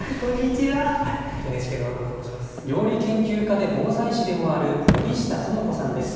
料理研究家で防災士でもある森下園子さんです。